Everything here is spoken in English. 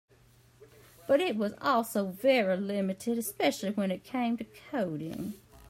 But it was also very limited, especially when it came to coding.